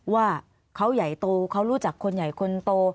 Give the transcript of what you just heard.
ว่าเขาใหญ่โตเขารู้จักคนใหญ่คนโต